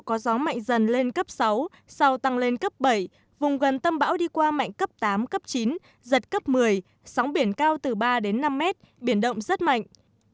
có gió mạnh dần lên cấp sáu sau tăng lên cấp bảy vùng gần tâm bão đi qua mạnh cấp tám cấp chín giật cấp một mươi sóng biển cao từ ba đến năm mét biển động rất mạnh